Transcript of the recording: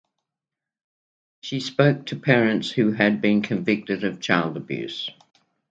She spoke to parents who had been convicted of child abuse.